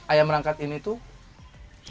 ayam merangkat ini tuh